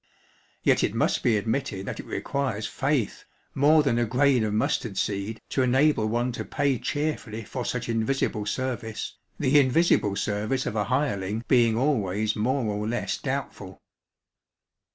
Yet it must be admitted that it requires faith, more than a grain of mustard seed, to enable one to pay cheerfully for such invisible service : the invisible service of a hireling being always more or less doubtful.